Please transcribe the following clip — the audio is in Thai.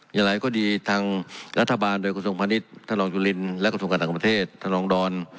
อย่างหลายก็ดีทางรัฐบาลโดยกระทรงพันธมิตรท่านองค์จุลินทร์และกระทรงการต่างประเทศท่านองค์ดร